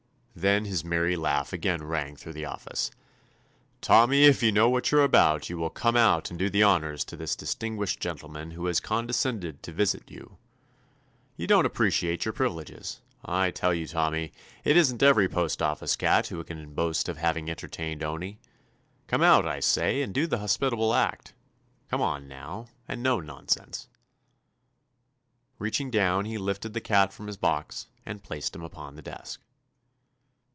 Then his merry laugh again rang through the office. "Tommy, if you know what you 're about, you will come out and do the honors to this distinguished gentle man who has condescended to visit you. You don't appreciate your privileges. I tell you, Tommy, it is n't every postoffice cat who can boast of having entertained Owney. Come out, I say, and do the hospitable 224 TOMMY POSTOFFICE act. Come on, now, and no non sense." Reaching down he lifted the cat from his box and placed him upon the desk.